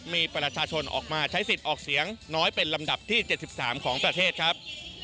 มีประชาชนออกมาใช้สิทธิ์ออกเสียงน้อยเป็นลำดับที่๗๓ของประเทศครับ